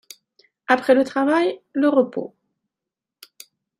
Après le travail le repos.